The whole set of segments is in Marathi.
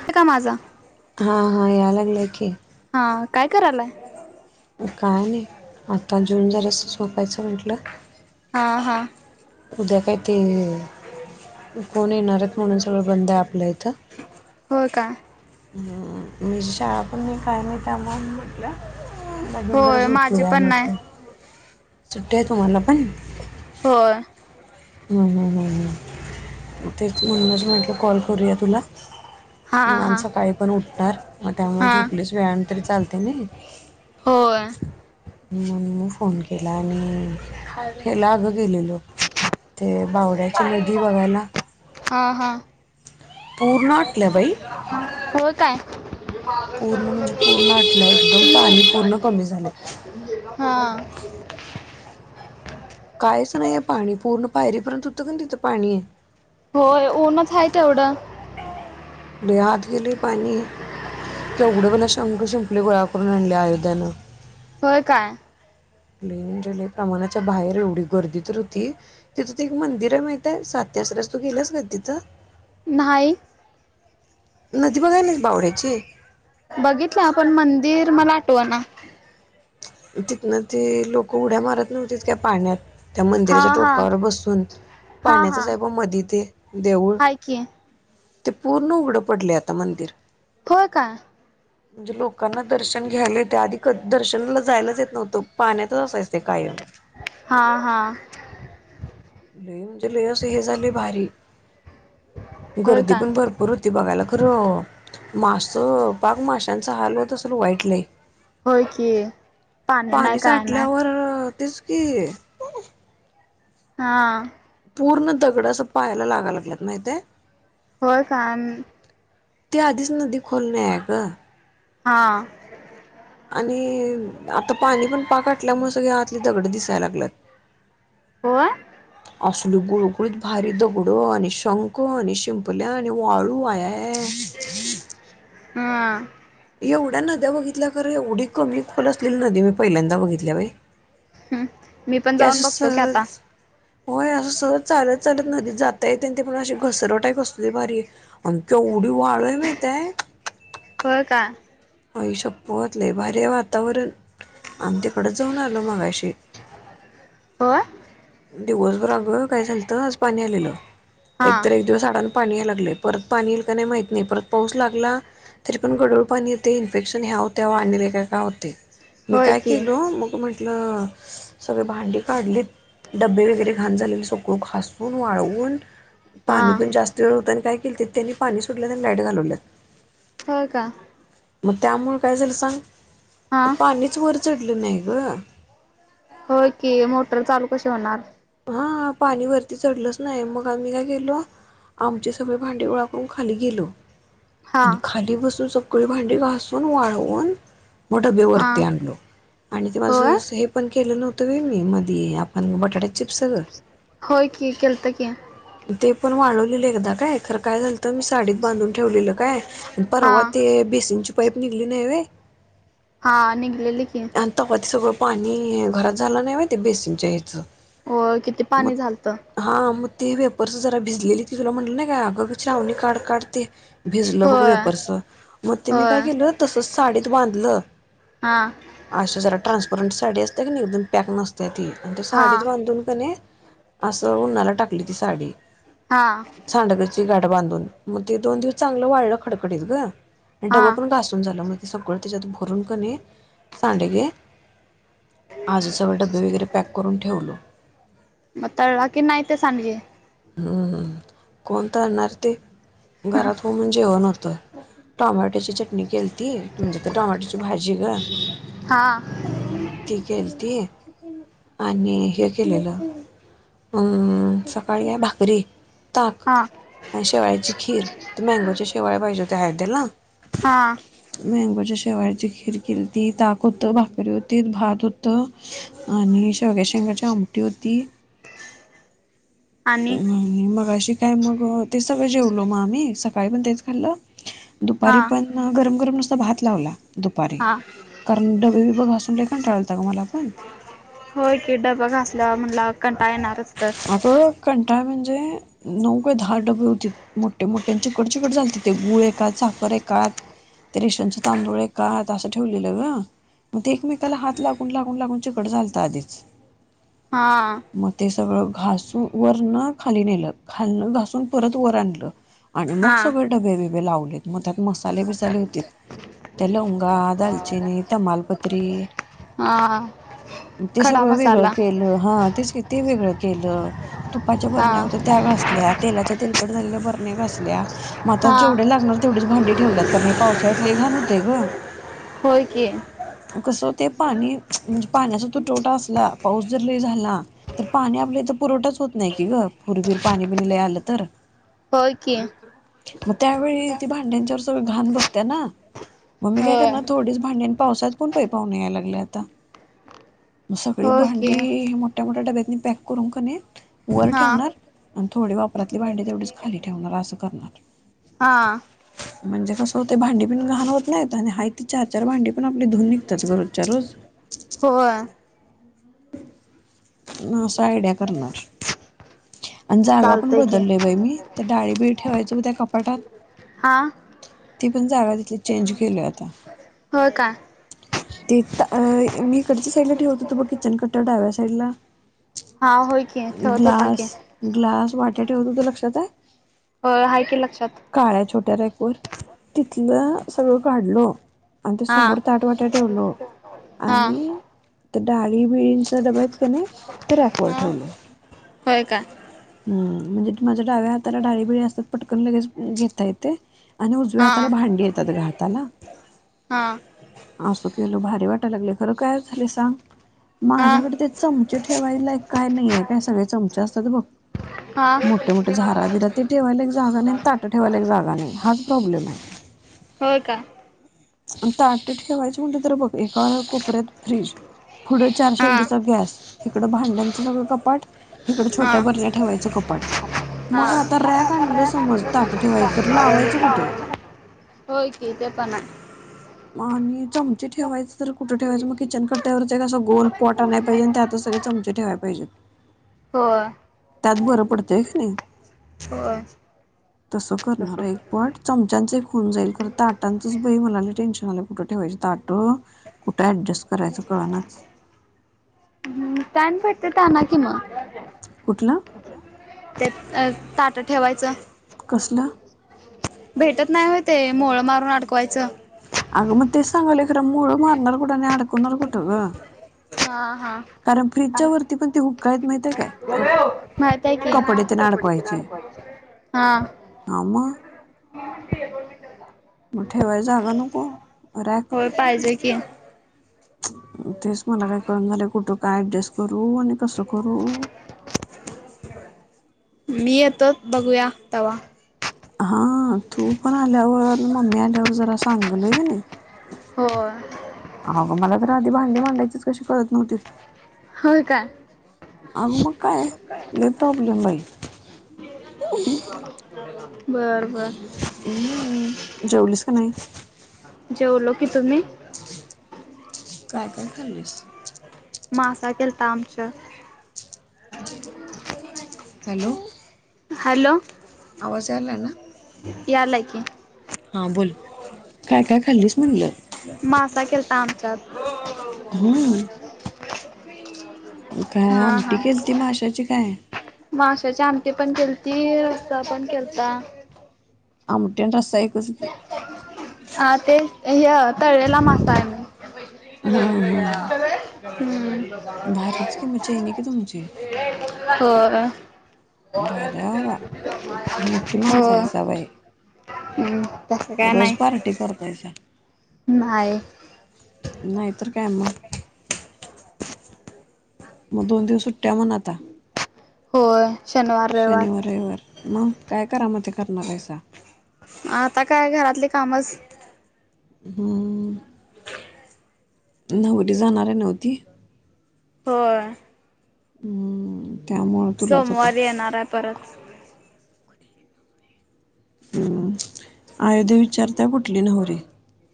आहे का माझा हां हां यालागलाय की. हा काय करालाय? काय नाही आता जेऊन जरासं झोपायच म्हटलं. हा हा उद्या काय ते कोण येणार आहेत म्हणून सगळं बंद आहे आपल्या इथं. होय काय? माझी शाळा पण नई काय नाही त्यामुळ म्हटलं. हिला घेऊन जरा होय माझे झोपूया पण नाही म्हटलं सुट्टी आहे तुम्हाला पण? होय हम्म हम्म हम्म हम्म तेच म्हणूनच म्हटलं कॉल करूया तुला. हा निवांत हा सकाळी पण उठणार मग त्यामुळ हा झोपलीस वेळानं तरी चालतंय नई. [inaudible] होय म्हणून म फोन केला, आणि हेला अगं गेलेलो. ते बावड्याची नदी बघायला हां हां पूर्ण आटल्या बाई होय काय? पूर्ण म्हणजे मागं पूर्ण आटल्या एकदम पाणी पूर्ण कमी झाले [unintelligible] हां कायच नाहीये पाणी पूर्ण पायरीपर्यंत होतं कनी तिथं पाणी. होय ऊनच हाय तेवढं. लई आत गेलंय पाणी केवढ बाला शंख शिंपले गोळा करून आणले अयोध्यानं. होय काय? लई म्हणजे लई प्रमाणाच्या बाहेर एवढी गर्दी तर होती तिथं ते एक मंदिर आहे माहित आहे सात त्यास रस तू गेल्यास कधी तिथं? नाही. नदी बघाय नाहीस बावड्याची? बघितलं पण मंदिर मला आठवना. तिथनं ते लोकं उड्या मारत नव्हतीत काय पाण्यात? त्या हा मंदिराच्या हा टोकावर बसून हा हा पाण्यातच आहे मधी ते, देऊळ हाय की. ते पूर्ण उघडं पडलेय आता मंदिर. होय काय म्हणजे लोकांना दर्शन घ्यायला येतंय आधी क दर्शनला जायलाच येत नव्हतं पाण्यातच असायचं. हां हां लई म्हणजे लई असं हे झालंय भारी. होय गर्दी काय पण भरपूर होती बघायला खरं मासं पाक माश्या त्यांचा हाल होत असलं वाईट लई. होय की. नाही पाणी काय नाही साठल्यावर तेच कि हां पूर्ण दगड असं पायला लागाय लागल्यात माहित हाय? होय का ते आधीच नदी खोल नाई आहे ग. हां आणि आता पाणी पण पाक आटल्यामुळं सगळे आतली दगड दिसायला लागल्यात. होय? असल गुळुगुळीत भारी दगड आणि शंक आणि शिंपल्या आणि वाळू आया या. हां एवढ्या नद्या बघितल्या खरं एवढी कमी खोल असलेली नदी मी पहिल्यांदा बघितल्या बाई. हम्म मी पण जाऊन असं बघतो की आता. सहज होय असं सहज चालत चालत नदीत जाता येतय ते पण अशी घसरट आहे कसली भारी आणि के तो वाळाय माहिताय. होय का. आई शप्पथ लई भारी आहे वातावरण आम्ही तिकडेच जाऊन आलो मगाशी. होय दिवसभर अग काय झालत आज पाणी आलेलं हा एक तर एक दिवस आडानं पाणी यायल लय परत पाणी इल का नाही माहित नाही परत पाऊस लागला तरी पण गढूळ पाणी येतय इन्फेक्शन ह्याव त्याव आणि लई काय काय होतंय मी होय काय की केलो मग म्हण लं सगळे भांडी काढलीत डब्बे वगैरे घाण झालेले सगळं घासून, वाळवून हा पाणी पण जास्त वेळ होतं आणि काय किल्तीत त्यांनी पाणी सोडल्यात आणि लाईट घालवल्यात. होय का. मग त्यामुळे काय झालं हा सांग पाणीच वर चढलं नाही ग होय की मोटर चालू कशी होणार? हा पाणी वरती चढलंच नाही मग आम्ही काय केलो आमचे सगळे भांडे गोळा करून खाली गेलो हा आणि खाली बसून सगळी भांडी घासून, वाळवून मग डबे हा वरती आणलो आणि ते माझ होय हे पण केलं नव्हतं व मी मधी आपण बटाट्याचे चिप्स ग होय कि केलंत कि ते पण वाढवलेलं एकदा काय, खरं काय झालंत मी साडीत बांधून ठेवलेलं काय हा परवा ते बेसीनची पाईप निघली नाही व्हय हा निग आणि तव ते सगळं पाणी घरात झालं नाही व्हय ते बेसीनच्या ह्याचं होय किती मग पाणी झालतं हां मग ते वेफर्स जरा भिजलेली ती तुला म्हटलं ना काय अगंअगं श्रावणी काढ काढ ते भिजलं बघ होय वेफर्स मग ते मी होय काय केलं तसच साडीत बांधलं ल हा अशा जरा ट्रान्सपरंट साडी असत्या की एकदम पॅक नसत्या ती आणि हा साडीच बांधून क नाही असं उन्हाला टाकली ती साडी हा सांडगची गाठ बांधून मग ते दोन दिवस चांगलं वाळलं खडखडीत ग आणि हा डब पण घासून झालं मग सगळं त्याच्यात भरून कनाही सांडगे आज सगळं डब्बे वगैरे पॅक करून ठेवलो मग तळला की नाही ते सांडगे हुं हू कोण तळणार ते घरात हू म्हणून जेवण होत. टॉमॅटोची चटणी केलती तुमच्या त्या टॉमॅटोची भाजी ग हा ती केलती आणि हे केलेलं अं च सकाळी आहे भाकरी, ताक हा आणि शेवाळ्याची खीर, मँगोच्या शेवाळ्या पाहिजे त्या आहेत. तेला हा मँंगोच्या शेवाळ्याची खीर केलती ताक होत, भाकरी होती, भात होत आणि शेवग्याच्या शेंगाची आमटी होती. आणि मगाशी काय मग ते सगळं जेवलो मग आम्ही सकाळी पण तेच खाल्लं हा दुपारी पण गरम गरम नुसता भात लावला दुपारी हा कारण डबबिब घासून लई कंटाळा आलता ग मलापण होय की डब घासल्या वर म्हणलावर कंटाळा येणारच तर अग कंटाळा म्हणजे नऊ का दहा डबे होतीत मोठे मोठे आणि चिकटचिकट झालत्तीत ते गुळ एकात साखर एकात ते रेशनच तांदूळ एकात असं ठेवलेलं ग मग ते एकमेकाला हात लागून लागून लागून चिकट झालत आधीच हा सगळ घासून वर न खाली नेलं, खालन घासून परत वर आणलं आणि मग हा. सगळे डबे बिबे लावलेत. मग त्यात मसाले बसाले होतीत. त्या लवंगा, दालचिनी, तमालपत्री, हा ते खडा सगळं वेगळं मसाला केलं. हा, तेच की वेगळं केलं. तुपाच्या हा बरण्या होत्या त्या घासल्या, तेलाच्या तेलकट झालेल्या बरण्या घासल्या. मग आता हा जेवढे लागणार तेवढीच भांडी ठेवल्यात. कारण हे पावसाळ्यात लई घाण होतय ग. होय की कसं होतय पाणी म्हणजे पाण्याचा तुटवडा असला, पाऊस जर लई झाला तर पाणी आपल्या इथ पुरवठाच होत नाही की ग पूरबीर पाणी लई आलं तर होय की मग त्यावेळी ती भांड्यांच्यावर सगळं घाण बसत्या ना मग मी काय होय करणार, थोडीच भांडी पावसात कोण पै, पावन यालागलय आता? मग सगळी होय की भांडी मोठ्या मोठ्या डब्यात पॅक करून कणी, वर हा ठेवणार आणि थोडी वापरणार वापरातली भांडी तेवढीच खाली ठेवणार. असं करणार हा म्हणजे कसं होतय, भांडी पण घाण होत नाही आणि हाय ती चार चार भांडी पण धुऊन निघत्यात रोजच्या रोज. होय असं आयडिया करणार. आणि जागा पण चालतंय की बदलोय बाई मी, त्या डाळीबी ठेवायच बघ त्या कपाटात हा ती पण जागा तिथली चेंज केलोय आता होय काय? तिथं अ, मी इकडच्या साईडला ठेवत होतो बघ किचन कट्ट्यावर डाव्या साईडला हा होय की ठेवत होता की ग्लास, ग्लास वाट्या ठेवत होतो, लक्षात आहे? होय आहे की लक्षात. काळ्या छोट्या रॅकवर, तिथलं सगळं काढलो, आणि ते हा समोर ताटवाट्या ठेवलो हा आणि त्या डाळीबिळींचा डबे आहेत कणी ते रॅकवर हा ठेवलो. होय काय? हम्म, म्हणजे माझ्या डाव्या हाताला डाळीबिळी असतात पटकन लगेच घेता येतेय आणि उजव्या हा हाताला भांडी येतात ग हाताला हा अस केलो भारी वाटा लागलय खरं काय एक झाले सांग हा माझ्याकडे ते चमचे ठेवायला एक काय नाही आहे काय, सगळे चमचे असतात बघ, हा मोठे मोठे झााराबिरा ते ठेवायला एक जागा नाही आणि ताटं ठेवायला एक जागा नाही हाच प्रॉब्लेम आहे होय का ताट ठेवायची म्हणटली तर बघ एका [unintelligible] कुपऱ्यात फ्रीज पुढं चार हा शेगडीचा गॅस, इकडं भांड्यांचं सगळं कपाट, इकड हा छोट्या बरण्या ठेवायचं कपाट मग हा आता रॅक आणलं समज ताट ठेवायचं, तर लावायचं कुठं? होय कि ते पण आहे आणि चमचे ठेवायच तर कुठं ठेवायच मग किचन कट्ट्यावर असं गोल पॉट आणाय पाहिजे आणि त्यातच सगळे चमचे ठेवाय पाहिजेत होय त्यात बरं पडतंय की नाही होय तसं करणार एक पॉट चमचाचं एक होऊन जाईल, खर ताटांचच बाई मला लई टेन्शन मला कुठ ठेवायची ताट? कुठे ॲडजस्ट करायच? कळनाच मग स्टँड भेटत्यात आणा की मग कुठलं? ते, ताट ठेवायचं कसलं? भेटत नाही हो ते मोळ मारून अडकवायचं आग म ते सांगलखरा मुूळ मारणार कुठं आणि अडकणार कुठं ग हा हा. कारण फ्र्रीजच्या वरती पण ते हुकायत माहित आहे माताय क अडकवायचे हा [inaudible] मोठे वय जागनुकरख क तेच मला काय कळून झालं कुठं काय ऍडजस्ट करू आणि कसं करू ह मी येतो बघूया तवा्हा हा तू पण आल्यावर मम्मी आल्यावर जरा सांगलय का नाही हो अगं मला तर आधी भांडी मांडायचीच कशी करत नव्हती हो का आमवाकाय लेतप जमय बर बर हम्म जेवलीस का नाही जेवलो की तुम्ही काय काय खाल्लीस मसा केल तमचे हॅलो हॅलो बजारला ना याला क हा बोल काय काय खाल्लीस म्हटलं मासा केलता आमच्यात हम्म काय हा आमटी हा. केल त माशाची काय माशाची आमटी पण खेलती रस्ता पण खेलता आ मुठन रस्य कस हा ते ह तळेला मासाय म हा हा हम्म भारीच कि मग चैनी की तुमची. हो हो भारी हाय बाबा मोठी माणसं हायसा बाई. हम्म तस काय नाही करतायचा नाहीय नाहीतर कायग मग दोन दिवस सुट्या मण आता हो शनिवार रविवार मग काय करा म ते करणार आहेसा आता काय घरातले कामच हम्म न्हती जाणार आहे नव्हती हो हम्म त्यामुळे तुलाच होता सोमवारी येणार आहे परत हम्म आयुध विचारतय कुठली नहरी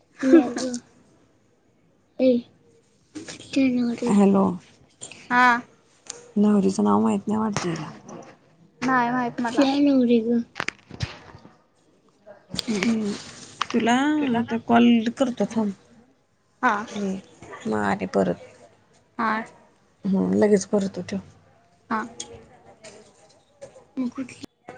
ह हॅलो हा नवररीचं नाव माहत नाही वाढतेला नाही माहित फ मला. नवर ग ह तुला कॉल करतो थांब? हा अ मग आली परत. आज ह लगेच करतो ठेव. हा. मग कुठली?